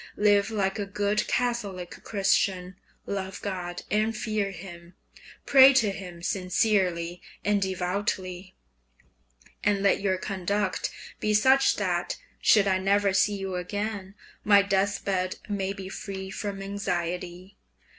Live like a good Catholic Christian; love God and fear Him; pray to Him sincerely and devoutly, and let your conduct be such that should I never see you again, my death bed may be free from anxiety.